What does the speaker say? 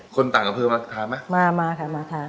คนต่างอำเภอมาทานไหมมาค่ะ